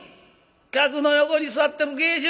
客の横に座ってる芸衆！